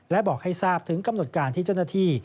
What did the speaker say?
และบอกให้ทราบถึงกำหนดการที่เจ้าหน้าที่